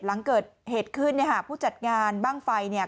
หลังเกิดเหตุขึ้นผู้จัดงานบ้างไฟเนี่ย